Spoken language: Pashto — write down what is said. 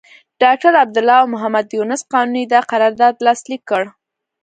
ډاکټر عبدالله او محمد یونس قانوني دا قرارداد لاسليک کړ.